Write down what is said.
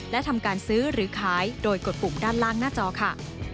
และทำการซื้อหรือขายโดยกดปุ่มด้านล่างหน้าจอค่ะ